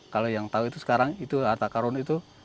kalau yang tahu itu sekarang itu harta karun itu